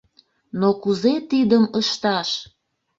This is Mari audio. Но кузе тидым ышташ?